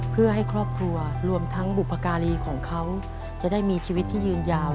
เพื่อให้ครอบครัวรวมทั้งบุพการีของเขาจะได้มีชีวิตที่ยืนยาว